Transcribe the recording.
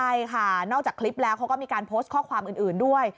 ใช่ค่ะนอกจากคลิปแล้วเขาก็มีการโพสต์ข้อความอื่นด้วย